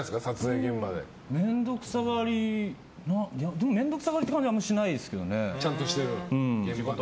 でも面倒くさがりって感じはしないですけどね。